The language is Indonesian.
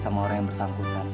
sama orang yang bersangkutan